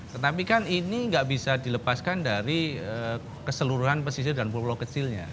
tetapi kan ini nggak bisa dilepaskan dari keseluruhan pesisir dan pulau kecilnya